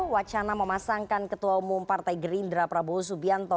wacana memasangkan ketua umum partai gerindra prabowo subianto